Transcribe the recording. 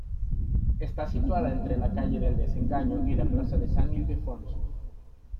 Está situada entre la calle del Desengaño y la plaza de San Ildefonso.